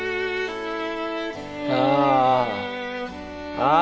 ああ。